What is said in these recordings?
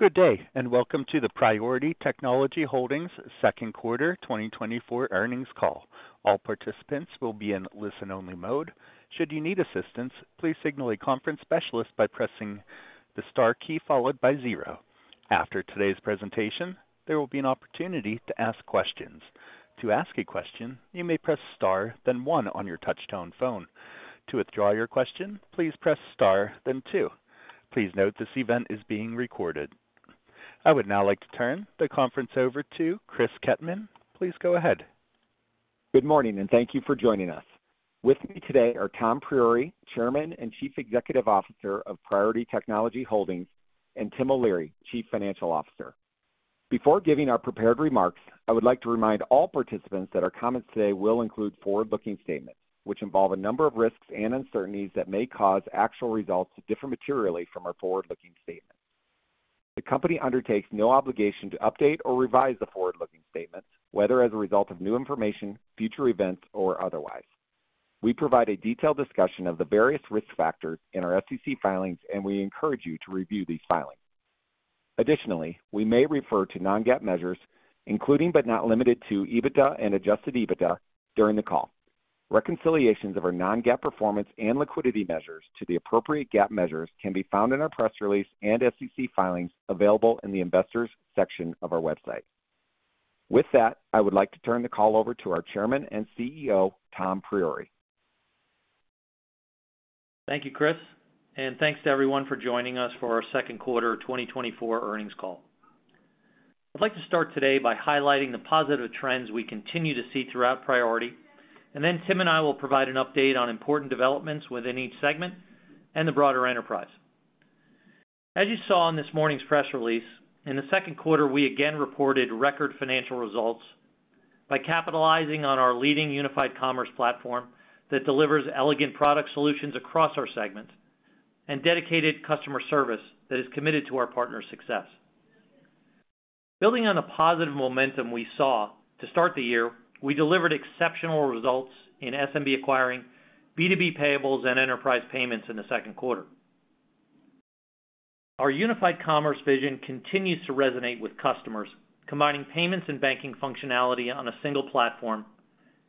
Good day, and welcome to the Priority Technology Holdings second quarter 2024 earnings call. All participants will be in listen-only mode. Should you need assistance, please signal a conference specialist by pressing the star key followed by zero. After today's presentation, there will be an opportunity to ask questions. To ask a question, you may press star, then one on your touchtone phone. To withdraw your question, please press star then two. Please note, this event is being recorded. I would now like to turn the conference over to Chris Kettmann. Please go ahead. Good morning, and thank you for joining us. With me today are Tom Priore, Chairman and Chief Executive Officer of Priority Technology Holdings, and Tim O'Leary, Chief Financial Officer. Before giving our prepared remarks, I would like to remind all participants that our comments today will include forward-looking statements, which involve a number of risks and uncertainties that may cause actual results to differ materially from our forward-looking statements. The company undertakes no obligation to update or revise the forward-looking statements, whether as a result of new information, future events, or otherwise. We provide a detailed discussion of the various risk factors in our SEC filings, and we encourage you to review these filings. Additionally, we may refer to non-GAAP measures, including, but not limited to, EBITDA and adjusted EBITDA, during the call. Reconciliations of our non-GAAP performance and liquidity measures to the appropriate GAAP measures can be found in our press release and SEC filings available in the Investors section of our website. With that, I would like to turn the call over to our Chairman and CEO, Tom Priore. Thank you, Chris, and thanks to everyone for joining us for our second quarter 2024 earnings call. I'd like to start today by highlighting the positive trends we continue to see throughout Priority, and then Tim and I will provide an update on important developments within each segment and the broader enterprise. As you saw in this morning's press release, in the second quarter, we again reported record financial results by capitalizing on our leading Unified Commerce platform that delivers elegant product solutions across our segments and dedicated customer service that is committed to our partners' success. Building on the positive momentum we saw to start the year, we delivered exceptional results in SMB acquiring, B2B payables, and enterprise payments in the second quarter. Our Unified Commerce vision continues to resonate with customers, combining payments and banking functionality on a single platform,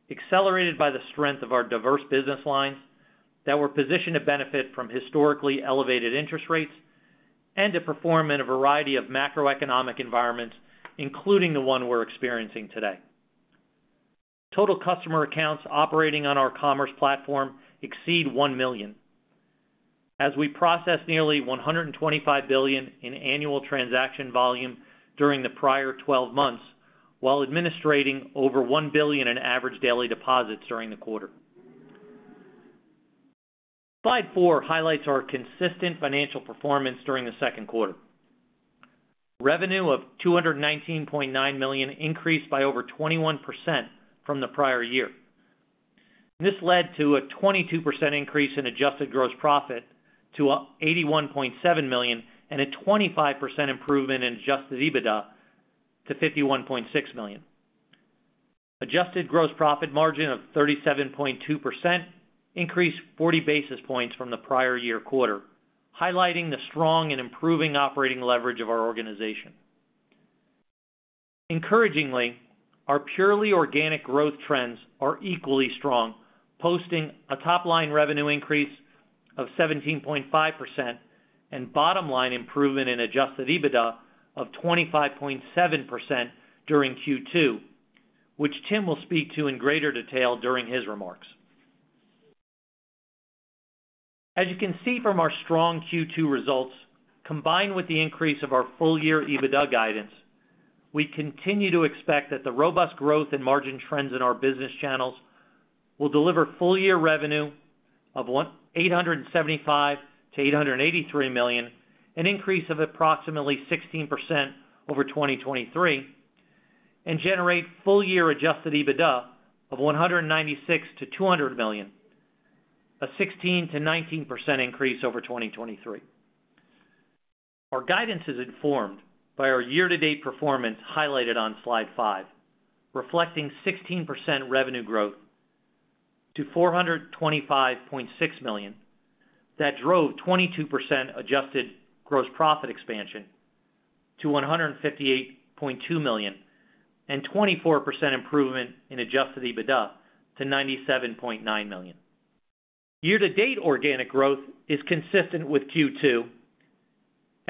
accelerated by the strength of our diverse business lines that were positioned to benefit from historically elevated interest rates and to perform in a variety of macroeconomic environments, including the one we're experiencing today. Total customer accounts operating on our commerce platform exceed 1 million, as we processed nearly $125 billion in annual transaction volume during the prior 12 months, while administering over $1 billion in average daily deposits during the quarter. Slide four highlights our consistent financial performance during the second quarter. Revenue of $219.9 million increased by over 21% from the prior year. This led to a 22% increase in adjusted gross profit to $81.7 million and a 25% improvement in adjusted EBITDA to $51.6 million. Adjusted Gross Profit margin of 37.2% increased 40 basis points from the prior year quarter, highlighting the strong and improving operating leverage of our organization. Encouragingly, our purely organic growth trends are equally strong, posting a top-line revenue increase of 17.5% and bottom-line improvement in adjusted EBITDA of 25.7% during Q2, which Tim will speak to in greater detail during his remarks. As you can see from our strong Q2 results, combined with the increase of our full-year EBITDA guidance, we continue to expect that the robust growth and margin trends in our business channels will deliver full-year revenue of $875 million-$883 million, an increase of approximately 16% over 2023, and generate full-year adjusted EBITDA of $196 million-$200 million, a 16%-19% increase over 2023. Our guidance is informed by our year-to-date performance, highlighted on Slide five, reflecting 16% revenue growth to $425.6 million. That drove 22% adjusted gross profit expansion to $158.2 million and 24% improvement in adjusted EBITDA to $97.9 million. Year-to-date organic growth is consistent with Q2,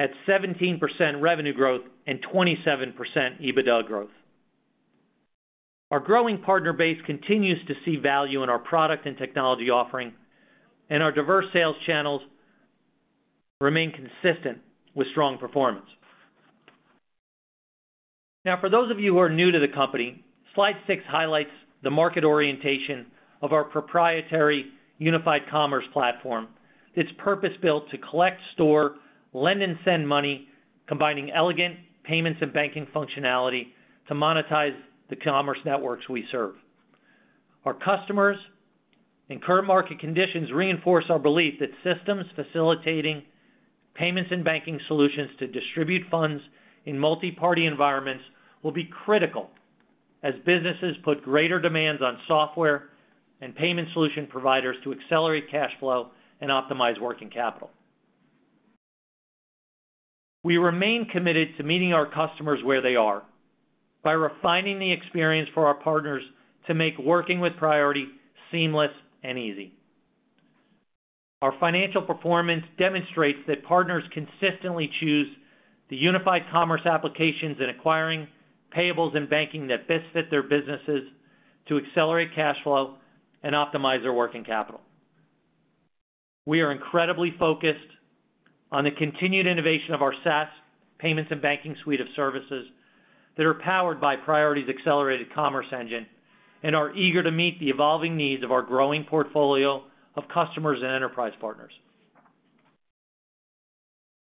at 17% revenue growth and 27% EBITDA growth. Our growing partner base continues to see value in our product and technology offering, and our diverse sales channels remain consistent with strong performance. Now, for those of you who are new to the company, Slide six highlights the market orientation of our proprietary Unified Commerce platform. It's purpose-built to collect, store, lend, and send money, combining elegant payments and banking functionality to monetize the commerce networks we serve. Our customers and current market conditions reinforce our belief that systems facilitating payments and banking solutions to distribute funds in multiparty environments will be critical, as businesses put greater demands on software and payment solution providers to accelerate cash flow and optimize working capital. We remain committed to meeting our customers where they are by refining the experience for our partners to make working with Priority seamless and easy. Our financial performance demonstrates that partners consistently choose the unified commerce applications in acquiring payables and banking that best fit their businesses to accelerate cash flow and optimize their working capital. We are incredibly focused on the continued innovation of our SaaS payments and banking suite of services that are powered by Priority's Accelerated Commerce Engine and are eager to meet the evolving needs of our growing portfolio of customers and enterprise partners.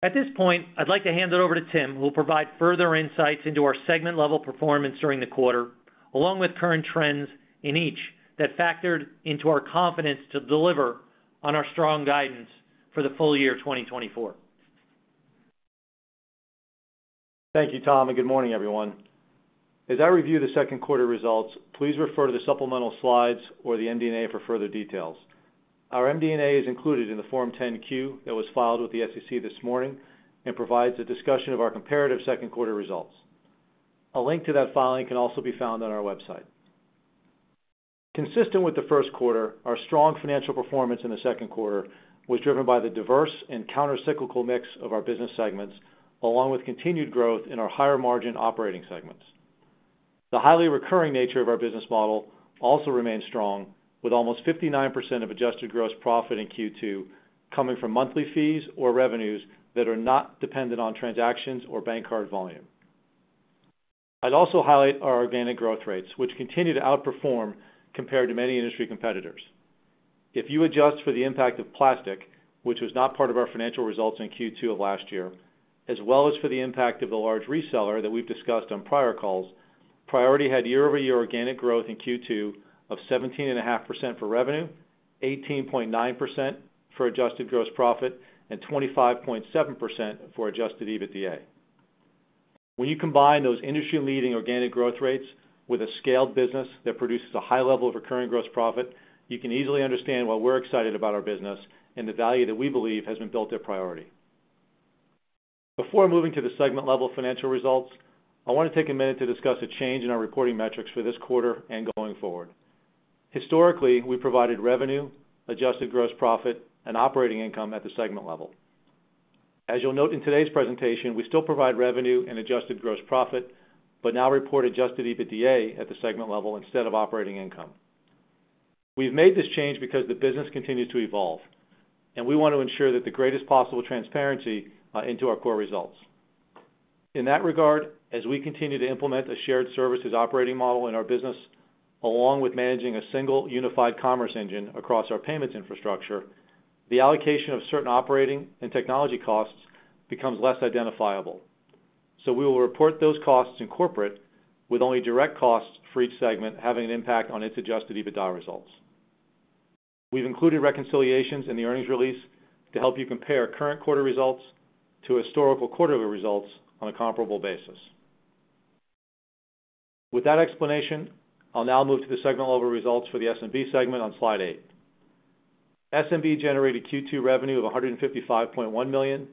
At this point, I'd like to hand it over to Tim, who will provide further insights into our segment-level performance during the quarter, along with current trends in each that factored into our confidence to deliver on our strong guidance for the full year 2024. Thank you, Tom, and good morning, everyone. As I review the second quarter results, please refer to the supplemental slides or the MD&A for further details. Our MD&A is included in the Form 10-Q that was filed with the SEC this morning and provides a discussion of our comparative second quarter results. A link to that filing can also be found on our website. Consistent with the first quarter, our strong financial performance in the second quarter was driven by the diverse and countercyclical mix of our business segments, along with continued growth in our higher-margin operating segments. The highly recurring nature of our business model also remains strong, with almost 59% of adjusted gross profit in Q2 coming from monthly fees or revenues that are not dependent on transactions or bankcard volume. I'd also highlight our organic growth rates, which continue to outperform compared to many industry competitors. If you adjust for the impact of Plastiq, which was not part of our financial results in Q2 of last year, as well as for the impact of the large reseller that we've discussed on prior calls, Priority had year-over-year organic growth in Q2 of 17.5% for revenue, 18.9% for adjusted gross profit, and 25.7% for adjusted EBITDA. When you combine those industry-leading organic growth rates with a scaled business that produces a high level of recurring gross profit, you can easily understand why we're excited about our business and the value that we believe has been built at Priority. Before moving to the segment-level financial results, I want to take a minute to discuss a change in our reporting metrics for this quarter and going forward. Historically, we provided revenue, adjusted gross profit, and operating income at the segment level. As you'll note in today's presentation, we still provide revenue and adjusted gross profit, but now report adjusted EBITDA at the segment level instead of operating income. We've made this change because the business continues to evolve, and we want to ensure that the greatest possible transparency into our core results. In that regard, as we continue to implement a shared services operating model in our business, along with managing a single Unified Commerce engine across our payments infrastructure, the allocation of certain operating and technology costs becomes less identifiable. So we will report those costs in corporate with only direct costs for each segment having an impact on its adjusted EBITDA results. We've included reconciliations in the earnings release to help you compare current quarter results to historical quarterly results on a comparable basis. With that explanation, I'll now move to the segment-level results for the SMB segment on slide eight. SMB generated Q2 revenue of $155.1 million,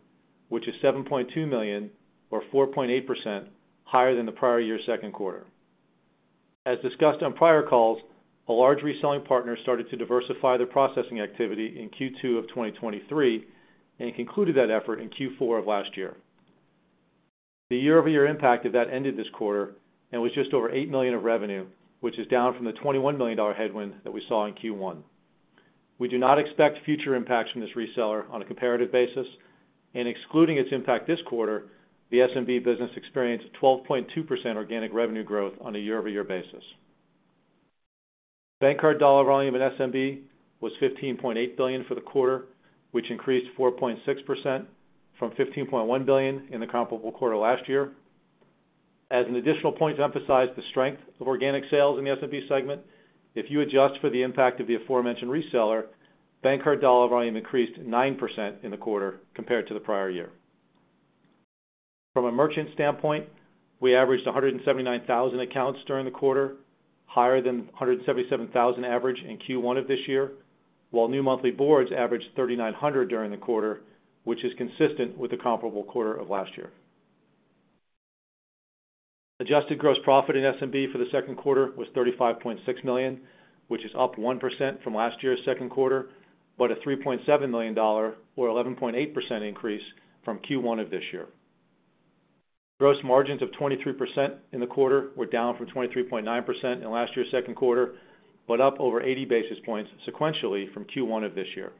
which is $7.2 million, or 4.8% higher than the prior year's second quarter. As discussed on prior calls, a large reselling partner started to diversify their processing activity in Q2 of 2023 and concluded that effort in Q4 of last year. The year-over-year impact of that ended this quarter and was just over $8 million of revenue, which is down from the $21 million headwind that we saw in Q1. We do not expect future impacts from this reseller on a comparative basis, and excluding its impact this quarter, the SMB business experienced a 12.2% organic revenue growth on a year-over-year basis. Bankcard dollar volume in SMB was $15.8 billion for the quarter, which increased 4.6% from $15.1 billion in the comparable quarter last year. As an additional point to emphasize the strength of organic sales in the SMB segment, if you adjust for the impact of the aforementioned reseller, bankcard dollar volume increased 9% in the quarter compared to the prior year. From a merchant standpoint, we averaged 179,000 accounts during the quarter, higher than 177,000 average in Q1 of this year, while new monthly boards averaged 3,900 during the quarter, which is consistent with the comparable quarter of last year. Adjusted gross profit in SMB for the second quarter was $35.6 million, which is up 1% from last year's second quarter, but a $3.7 million or 11.8% increase from Q1 of this year. Gross margins of 23% in the quarter were down from 23.9% in last year's second quarter, but up over 80 basis points sequentially from Q1 of this year.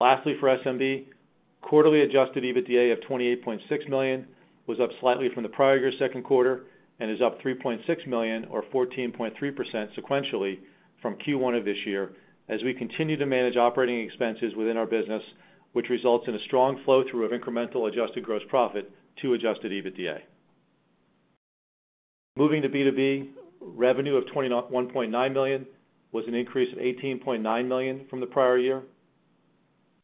Lastly, for SMB, quarterly adjusted EBITDA of $28.6 million was up slightly from the prior year's second quarter and is up $3.6 million or 14.3% sequentially from Q1 of this year, as we continue to manage operating expenses within our business, which results in a strong flow-through of incremental adjusted gross profit to adjusted EBITDA. Moving to B2B, revenue of $21.9 million was an increase of $18.9 million from the prior year.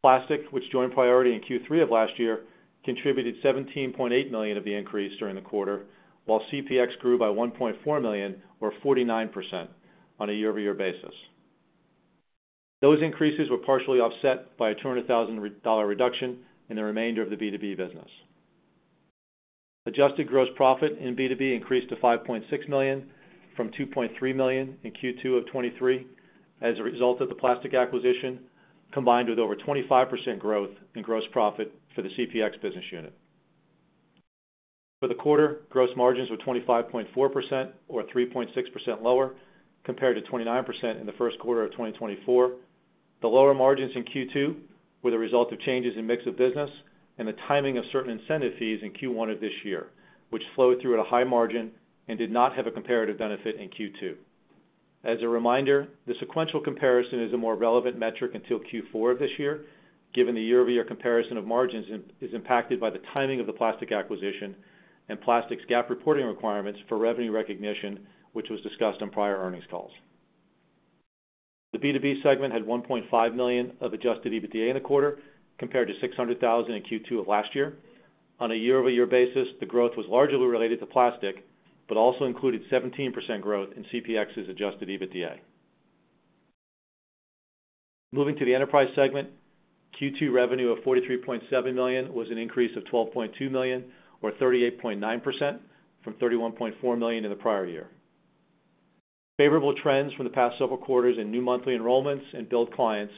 Plastiq, which joined Priority in Q3 of last year, contributed $17.8 million of the increase during the quarter, while CPX grew by $1.4 million, or 49% on a year-over-year basis. Those increases were partially offset by a $200,000 reduction in the remainder of the B2B business. Adjusted gross profit in B2B increased to $5.6 million from $2.3 million in Q2 of 2023 as a result of the Plastiq acquisition, combined with over 25% growth in gross profit for the CPX business unit. For the quarter, gross margins were 25.4% or 3.6% lower compared to 29% in the first quarter of 2024. The lower margins in Q2 were the result of changes in mix of business and the timing of certain incentive fees in Q1 of this year, which flowed through at a high margin and did not have a comparative benefit in Q2. As a reminder, the sequential comparison is a more relevant metric until Q4 of this year, given the year-over-year comparison of margins is impacted by the timing of the Plastiq acquisition and Plastiq's GAAP reporting requirements for revenue recognition, which was discussed on prior earnings calls. The B2B segment had $1.5 million of adjusted EBITDA in the quarter, compared to $600,000 in Q2 of last year. On a year-over-year basis, the growth was largely related to Plastiq, but also included 17% growth in CPX's adjusted EBITDA. Moving to the enterprise segment, Q2 revenue of $43.7 million was an increase of $12.2 million, or 38.9%, from $31.4 million in the prior year. Favorable trends from the past several quarters in new monthly enrollments and build clients,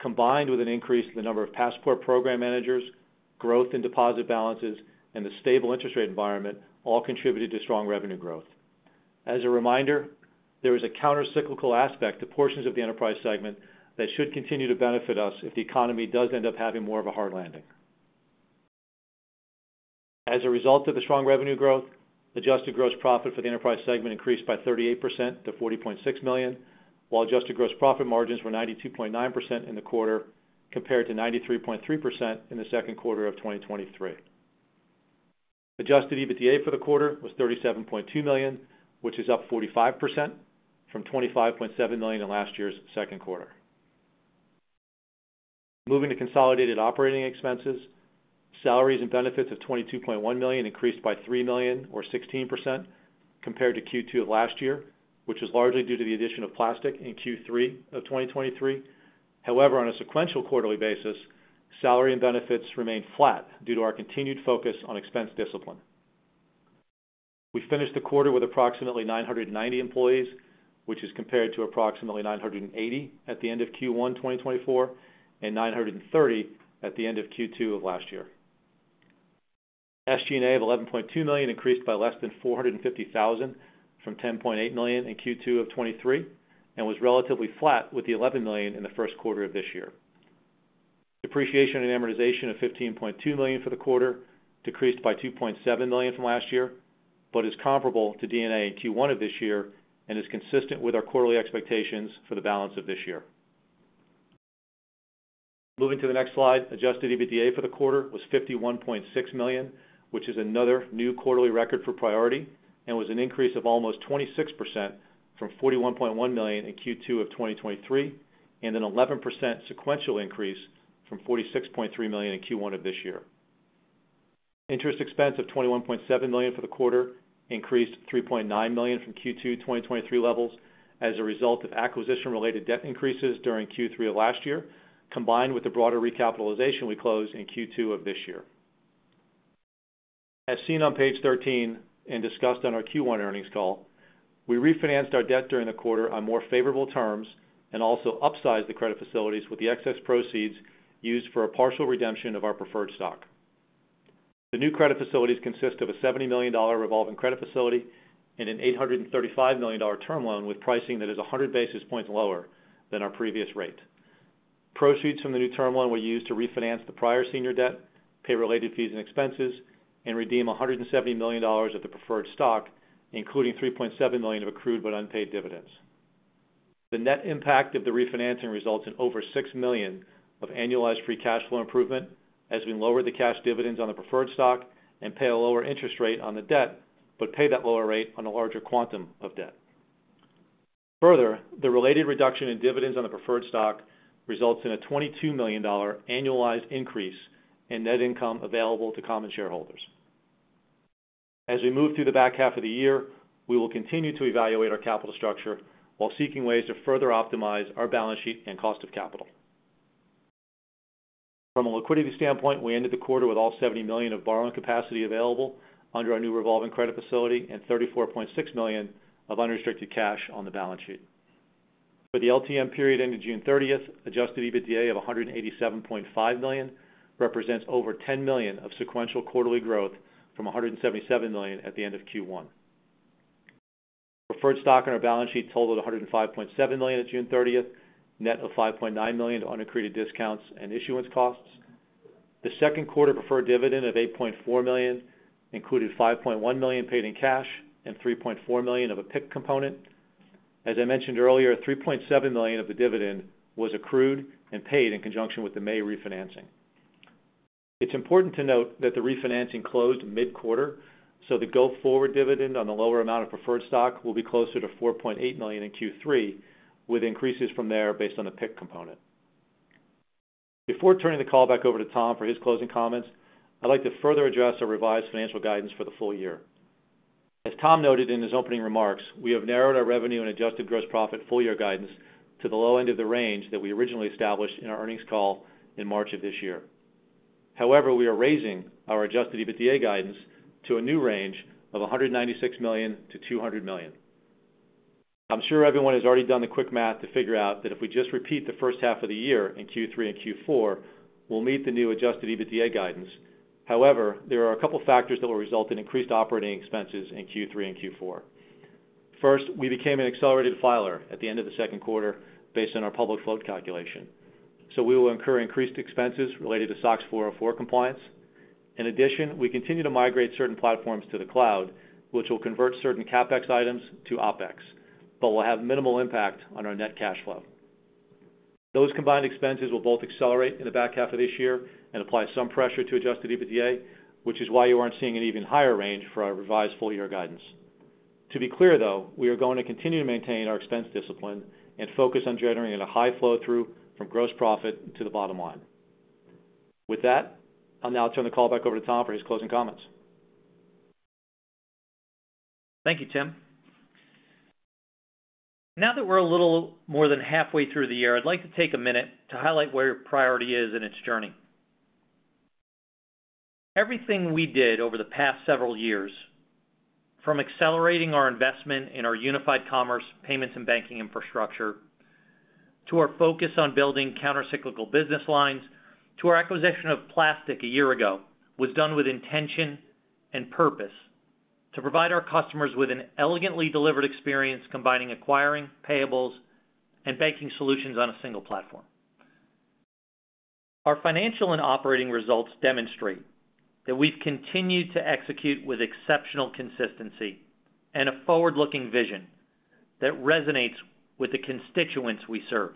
combined with an increase in the number of Passport program managers, growth in deposit balances, and the stable interest rate environment, all contributed to strong revenue growth. As a reminder, there is a countercyclical aspect to portions of the enterprise segment that should continue to benefit us if the economy does end up having more of a hard landing. As a result of the strong revenue growth, adjusted gross profit for the Enterprise segment increased by 38% to $40.6 million, while adjusted gross profit margins were 92.9% in the quarter, compared to 93.3% in the second quarter of 2023. Adjusted EBITDA for the quarter was $37.2 million, which is up 45% from $25.7 million in last year's second quarter. Moving to consolidated operating expenses, salaries and benefits of $22.1 million increased by $3 million, or 16% compared to Q2 of last year, which was largely due to the addition of Plastiq in Q3 of 2023. However, on a sequential quarterly basis, salary and benefits remained flat due to our continued focus on expense discipline. We finished the quarter with approximately 990 employees, which is compared to approximately 980 at the end of Q1, 2024, and 930 at the end of Q2 of last year. SG&A of $11.2 million increased by less than $450,000 from $10.8 million in Q2 of 2023, and was relatively flat with the $11 million in the first quarter of this year. Depreciation and amortization of $15.2 million for the quarter decreased by $2.7 million from last year, but is comparable to D&A in Q1 of this year and is consistent with our quarterly expectations for the balance of this year. Moving to the next slide, Adjusted EBITDA for the quarter was $51.6 million, which is another new quarterly record for Priority and was an increase of almost 26% from $41.1 million in Q2 of 2023, and an 11% sequential increase from $46.3 million in Q1 of this year. Interest expense of $21.7 million for the quarter increased $3.9 million from Q2 2023 levels as a result of acquisition-related debt increases during Q3 of last year, combined with the broader recapitalization we closed in Q2 of this year. As seen on page 13 and discussed on our Q1 earnings call, we refinanced our debt during the quarter on more favorable terms and also upsized the credit facilities with the excess proceeds used for a partial redemption of our preferred stock. The new credit facilities consist of a $70 million revolving credit facility and an $835 million term loan with pricing that is 100 basis points lower than our previous rate. Proceeds from the new term loan were used to refinance the prior senior debt, pay related fees and expenses, and redeem $170 million of the preferred stock, including $3.7 million of accrued but unpaid dividends. The net impact of the refinancing results in over $6 million of annualized free cash flow improvement, as we lower the cash dividends on the preferred stock and pay a lower interest rate on the debt, but pay that lower rate on a larger quantum of debt. Further, the related reduction in dividends on the preferred stock results in a $22 million annualized increase in net income available to common shareholders. As we move through the back half of the year, we will continue to evaluate our capital structure while seeking ways to further optimize our balance sheet and cost of capital. From a liquidity standpoint, we ended the quarter with all $70 million of borrowing capacity available under our new revolving credit facility and $34.6 million of unrestricted cash on the balance sheet. For the LTM period ending June 30, adjusted EBITDA of $187.5 million represents over $10 million of sequential quarterly growth from $177 million at the end of Q1. Preferred stock on our balance sheet totaled $105.7 million at June 30, net of $5.9 million in unaccreted discounts and issuance costs. The second quarter preferred dividend of $8.4 million included $5.1 million paid in cash and $3.4 million of a PIK component. As I mentioned earlier, $3.7 million of the dividend was accrued and paid in conjunction with the May refinancing. It's important to note that the refinancing closed mid-quarter, so the go-forward dividend on the lower amount of preferred stock will be closer to $4.8 million in Q3, with increases from there based on the PIK component. Before turning the call back over to Tom for his closing comments, I'd like to further address our revised financial guidance for the full year. As Tom noted in his opening remarks, we have narrowed our revenue and adjusted gross profit full year guidance to the low end of the range that we originally established in our earnings call in March of this year. However, we are raising our adjusted EBITDA guidance to a new range of $196 million-$200 million. I'm sure everyone has already done the quick math to figure out that if we just repeat the first half of the year in Q3 and Q4, we'll meet the new adjusted EBITDA guidance. However, there are a couple factors that will result in increased operating expenses in Q3 and Q4. First, we became an accelerated filer at the end of the second quarter based on our public float calculation, so we will incur increased expenses related to SOX 404 compliance. In addition, we continue to migrate certain platforms to the cloud, which will convert certain CapEx items to OpEx, but will have minimal impact on our net cash flow. Those combined expenses will both accelerate in the back half of this year and apply some pressure to adjusted EBITDA, which is why you aren't seeing an even higher range for our revised full year guidance. To be clear, though, we are going to continue to maintain our expense discipline and focus on generating a high flow-through from gross profit to the bottom line. With that, I'll now turn the call back over to Tom for his closing comments. Thank you, Tim. Now that we're a little more than halfway through the year, I'd like to take a minute to highlight where Priority is in its journey. Everything we did over the past several years, from accelerating our investment in our Unified Commerce, payments, and banking infrastructure, to our focus on building countercyclical business lines, to our acquisition of Plastiq a year ago, was done with intention and purpose to provide our customers with an elegantly delivered experience combining acquiring, payables, and banking solutions on a single platform. Our financial and operating results demonstrate that we've continued to execute with exceptional consistency and a forward-looking vision that resonates with the constituents we serve.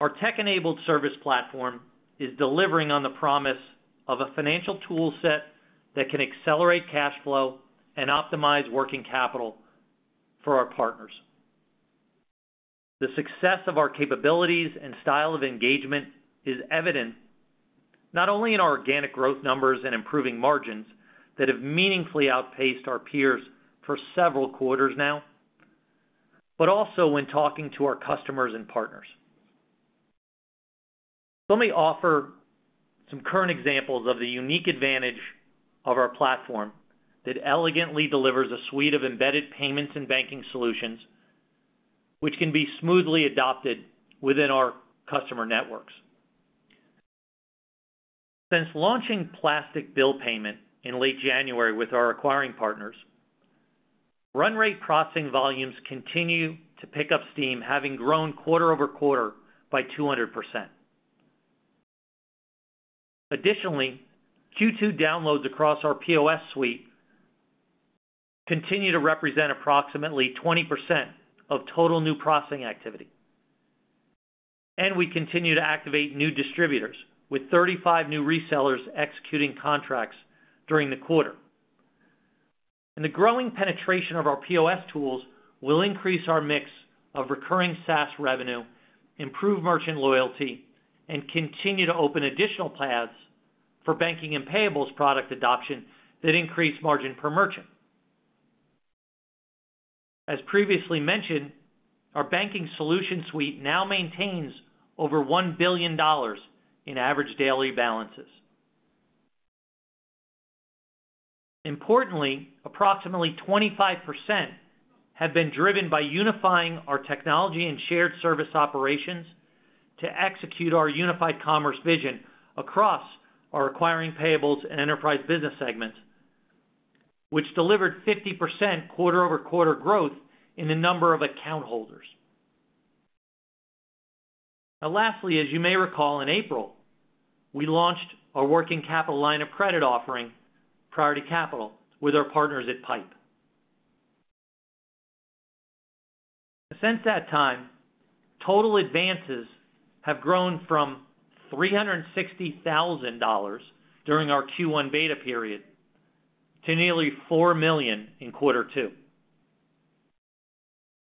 Our tech-enabled service platform is delivering on the promise of a financial toolset that can accelerate cash flow and optimize working capital for our partners. The success of our capabilities and style of engagement is evident not only in our organic growth numbers and improving margins that have meaningfully outpaced our peers for several quarters now, but also when talking to our customers and partners. Let me offer some current examples of the unique advantage of our platform that elegantly delivers a suite of embedded payments and banking solutions, which can be smoothly adopted within our customer networks. Since launching Plastiq bill payment in late January with our acquiring partners, run rate processing volumes continue to pick up steam, having grown quarter-over-quarter by 200%. Additionally, Q2 downloads across our POS suite continue to represent approximately 20% of total new processing activity. We continue to activate new distributors, with 35 new resellers executing contracts during the quarter. The growing penetration of our POS tools will increase our mix of recurring SaaS revenue, improve merchant loyalty, and continue to open additional paths for banking and payables product adoption that increase margin per merchant. As previously mentioned, our banking solution suite now maintains over $1 billion in average daily balances. Importantly, approximately 25% have been driven by unifying our technology and shared service operations to execute our Unified Commerce vision across our acquiring payables and enterprise business segments, which delivered 50% quarter-over-quarter growth in the number of account holders. Now, lastly, as you may recall, in April, we launched our working capital line of credit offering, Priority Capital, with our partners at Pipe. Since that time, total advances have grown from $360,000 during our Q1 beta period to nearly $4 million in quarter two.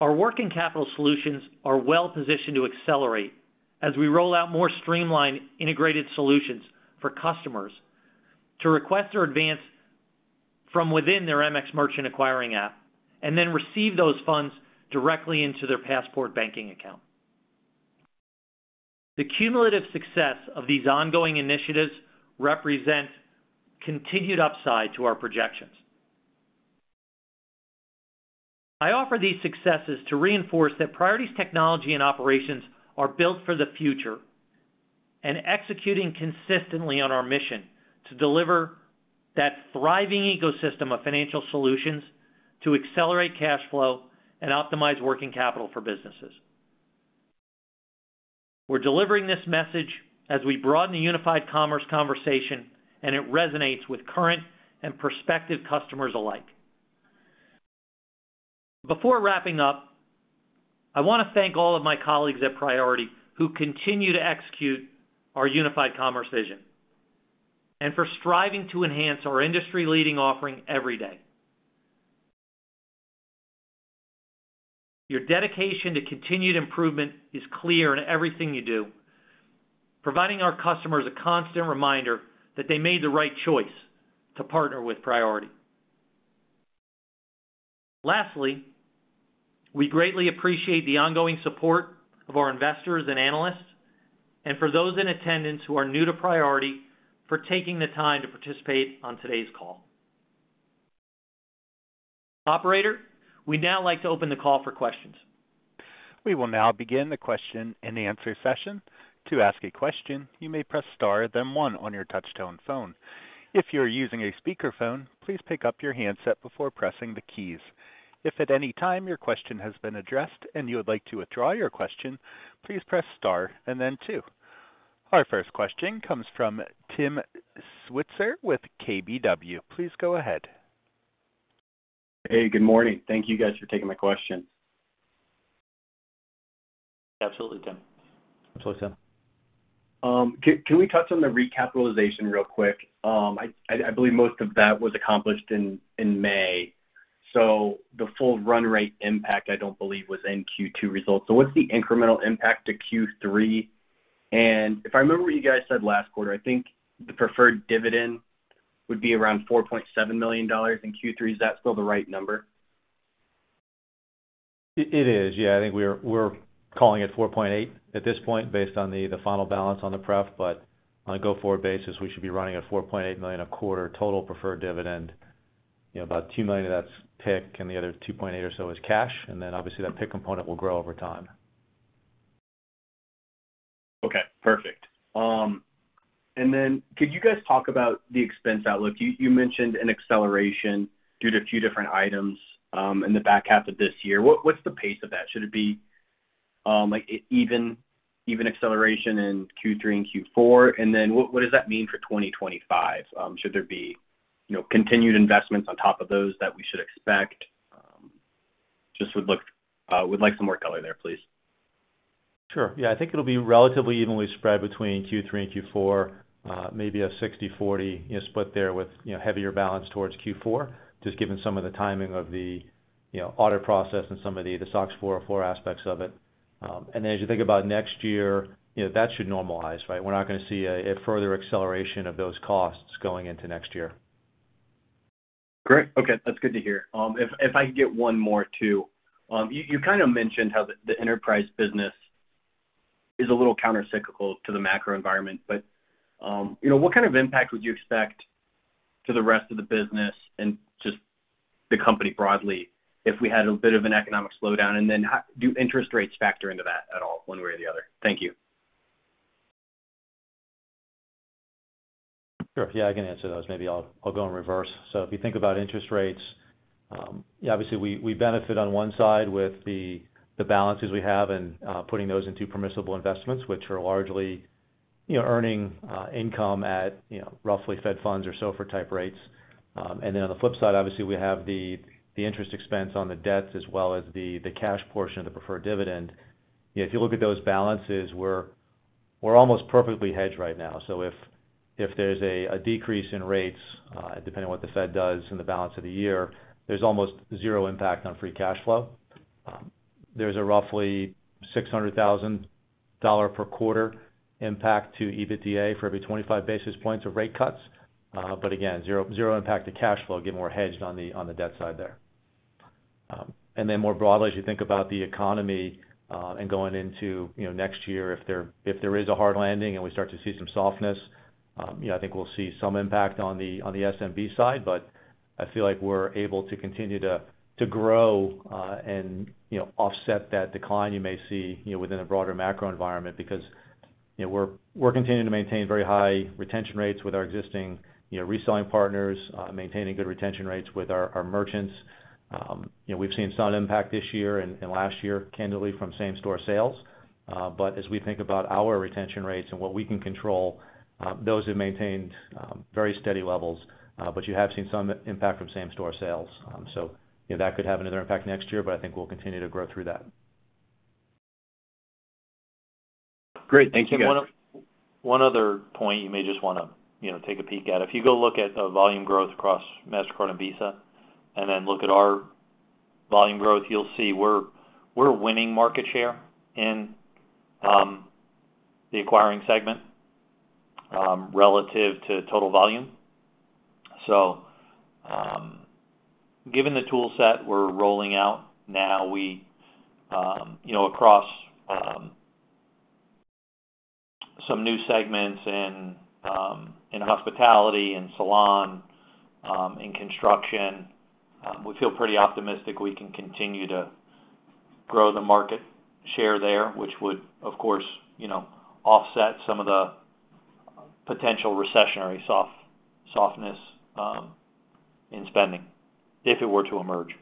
Our working capital solutions are well positioned to accelerate as we roll out more streamlined, integrated solutions for customers to request or advance from within their MX Merchant acquiring app, and then receive those funds directly into their Passport banking account. The cumulative success of these ongoing initiatives represent continued upside to our projections. I offer these successes to reinforce that Priority's technology and operations are built for the future and executing consistently on our mission to deliver that thriving ecosystem of financial solutions to accelerate cash flow and optimize working capital for businesses. We're delivering this message as we broaden the Unified Commerce conversation, and it resonates with current and prospective customers alike. Before wrapping up, I want to thank all of my colleagues at Priority who continue to execute our Unified Commerce vision and for striving to enhance our industry-leading offering every day. Your dedication to continued improvement is clear in everything you do, providing our customers a constant reminder that they made the right choice to partner with Priority. Lastly, we greatly appreciate the ongoing support of our investors and analysts, and for those in attendance who are new to Priority, for taking the time to participate on today's call. Operator, we'd now like to open the call for questions. We will now begin the question-and-answer session. To ask a question, you may press star, then one on your touchtone phone. If you're using a speakerphone, please pick up your handset before pressing the keys. If at any time your question has been addressed and you would like to withdraw your question, please press star and then two. Our first question comes from Tim Switzer with KBW. Please go ahead. Hey, good morning. Thank you guys for taking my question. Absolutely, Tim. Absolutely, Tim. Can we touch on the recapitalization real quick? I believe most of that was accomplished in May, so the full run rate impact, I don't believe was in Q2 results. So what's the incremental impact to Q3? And if I remember what you guys said last quarter, I think the preferred dividend would be around $4.7 million in Q3. Is that still the right number? It is, yeah. I think we're calling it 4.8 at this point, based on the final balance on the pref, but on a go-forward basis, we should be running at $4.8 million a quarter total preferred dividend. You know, about $2 million of that's PIK, and the other 2.8 or so is cash, and then obviously, that PIK component will grow over time. Okay, perfect. And then could you guys talk about the expense outlook? You mentioned an acceleration due to a few different items in the back half of this year. What's the pace of that? Should it be like even acceleration in Q3 and Q4? And then what does that mean for 2025? Should there be, you know, continued investments on top of those that we should expect? Just would like some more color there, please. Sure. Yeah, I think it'll be relatively evenly spread between Q3 and Q4, maybe a 60/40, you know, split there with, you know, heavier balance towards Q4, just given some of the timing of the, you know, audit process and some of the SOX 404 aspects of it. And then as you think about next year, you know, that should normalize, right? We're not going to see a further acceleration of those costs going into next year. Great. Okay, that's good to hear. If I could get one more, too. You kind of mentioned how the enterprise business is a little countercyclical to the macro environment, but you know, what kind of impact would you expect to the rest of the business and just the company broadly, if we had a bit of an economic slowdown? And then do interest rates factor into that at all, one way or the other? Thank you. Sure. Yeah, I can answer those. Maybe I'll go in reverse. So if you think about interest rates, yeah, obviously, we benefit on one side with the balances we have and putting those into permissible investments, which are largely, you know, earning income at, you know, roughly Fed Funds or SOFR-type rates. And then on the flip side, obviously, we have the interest expense on the debts as well as the cash portion of the preferred dividend. You know, if you look at those balances, we're almost perfectly hedged right now. So if there's a decrease in rates, depending on what the Fed does in the balance of the year, there's almost zero impact on free cash flow. There's a roughly $600,000 per quarter impact to EBITDA for every 25 basis points of rate cuts. But again, zero impact to cash flow, again, we're hedged on the, on the debt side there. And then more broadly, as you think about the economy, and going into, you know, next year, if there is a hard landing and we start to see some softness, you know, I think we'll see some impact on the SMB side, but I feel like we're able to continue to grow, and, you know, offset that decline you may see, you know, within a broader macro environment, because, you know, we're continuing to maintain very high retention rates with our existing, you know, reselling partners, maintaining good retention rates with our merchants. You know, we've seen some impact this year and last year, candidly, from same-store sales. But as we think about our retention rates and what we can control, those have maintained very steady levels, but you have seen some impact from same-store sales. So, you know, that could have another impact next year, but I think we'll continue to grow through that. Great. Thank you, guys. One other, one other point you may just wanna, you know, take a peek at. If you go look at, volume growth across Mastercard and Visa, and then look at our volume growth, you'll see we're winning market share in, the acquiring segment, relative to total volume. So, given the tool set we're rolling out now, we, you know, across, some new segments in hospitality, in salon, in construction, we feel pretty optimistic we can continue to grow the market share there, which would, of course, you know, offset some of the potential recessionary softness, in spending, if it were to emerge.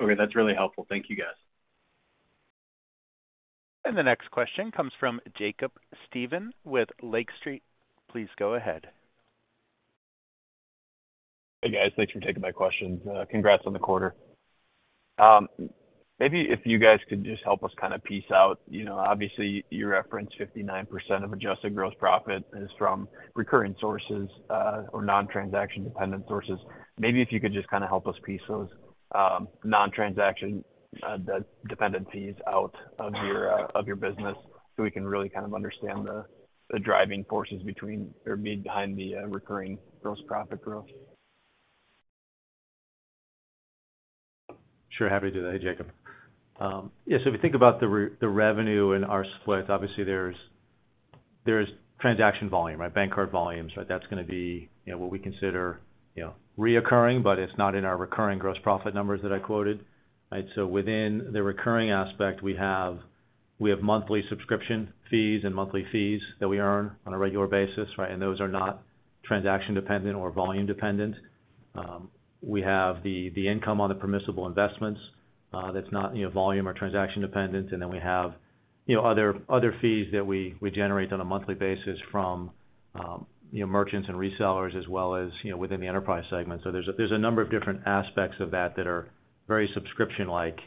Okay, that's really helpful. Thank you, guys. The next question comes from Jacob Stephan with Lake Street. Please go ahead. Hey, guys. Thanks for taking my questions. Congrats on the quarter. Maybe if you guys could just help us kind of piece out, you know, obviously, you referenced 59% of adjusted gross profit is from recurring sources or non-transaction-dependent sources. Maybe if you could just kind of help us piece those non-transaction dependencies out of your business, so we can really kind of understand the driving forces between or behind the recurring gross profit growth. Sure, happy to do that. Hey, Jacob. Yeah, so if you think about the revenue and our split, obviously there's transaction volume, right? Bankcard volumes, right? That's gonna be, you know, what we consider, you know, recurring, but it's not in our recurring gross profit numbers that I quoted, right? So within the recurring aspect, we have monthly subscription fees and monthly fees that we earn on a regular basis, right? And those are not transaction dependent or volume dependent. We have the income on the permissible investments, that's not, you know, volume or transaction dependent. And then we have, you know, other fees that we generate on a monthly basis from, you know, merchants and resellers as well as, you know, within the enterprise segment. There's a number of different aspects of that that are very subscription-like,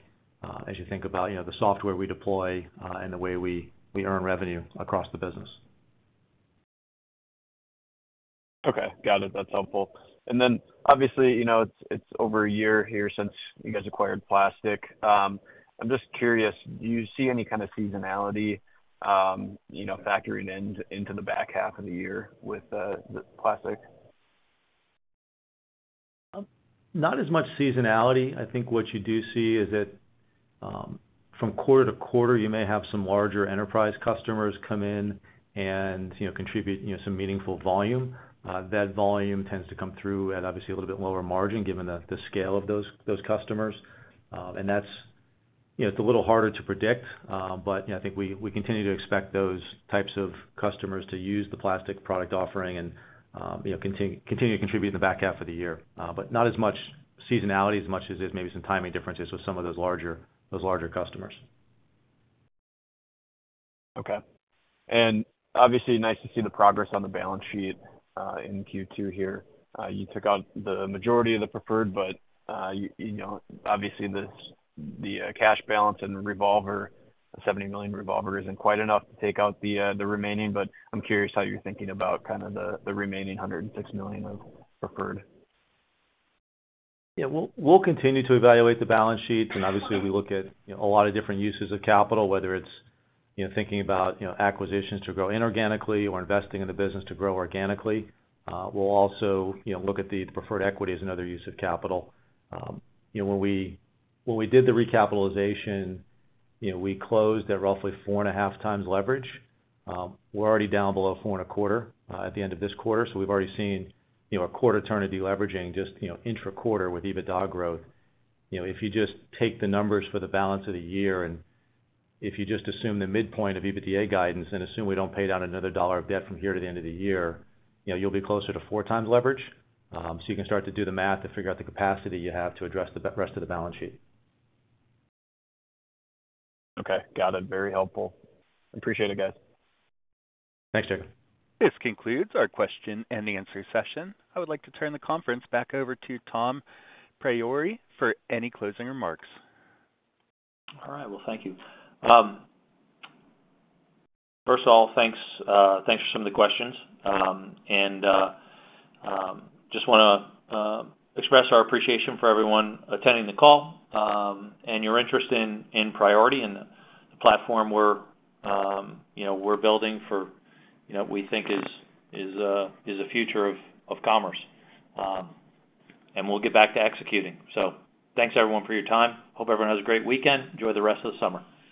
as you think about, you know, the software we deploy, and the way we earn revenue across the business. Okay. Got it. That's helpful. And then, obviously, you know, it's over a year here since you guys acquired Plastiq. I'm just curious, do you see any kind of seasonality, you know, factoring in into the back half of the year with the Plastiq? Not as much seasonality. I think what you do see is that, from quarter-to-quarter, you may have some larger enterprise customers come in and, you know, contribute, you know, some meaningful volume. That volume tends to come through at, obviously, a little bit lower margin, given the scale of those customers. And that's, you know, it's a little harder to predict, but, you know, I think we continue to expect those types of customers to use the Plastiq product offering and, you know, continue to contribute in the back half of the year. But not as much seasonality as much as there's maybe some timing differences with some of those larger customers. Okay. And obviously, nice to see the progress on the balance sheet in Q2 here. You took out the majority of the preferred, but you know, obviously, this, the cash balance and the revolver, $70 million revolver isn't quite enough to take out the remaining, but I'm curious how you're thinking about kind of the remaining $106 million of preferred? Yeah. We'll continue to evaluate the balance sheets, and obviously, we look at, you know, a lot of different uses of capital, whether it's, you know, thinking about, you know, acquisitions to grow inorganically or investing in the business to grow organically. We'll also, you know, look at the preferred equity as another use of capital. You know, when we did the recapitalization, you know, we closed at roughly 4.5x leverage. We're already down below 4.25, at the end of this quarter, so we've already seen, you know, a quarter turn of deleveraging just, you know, intra-quarter with EBITDA growth. You know, if you just take the numbers for the balance of the year, and if you just assume the midpoint of EBITDA guidance and assume we don't pay down another dollar of debt from here to the end of the year, you know, you'll be closer to four times leverage. So you can start to do the math to figure out the capacity you have to address the rest of the balance sheet. Okay. Got it. Very helpful. Appreciate it, guys. Thanks, Jacob. This concludes our question and answer session. I would like to turn the conference back over to Tom Priore for any closing remarks. All right. Well, thank you. First of all, thanks, thanks for some of the questions. Just wanna express our appreciation for everyone attending the call, and your interest in Priority and the platform we're, you know, we're building for, you know, we think is the future of commerce. And we'll get back to executing. So thanks, everyone, for your time. Hope everyone has a great weekend. Enjoy the rest of the summer.